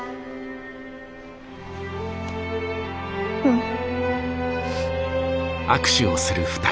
うん。